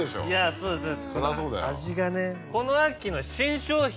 そうです味がね。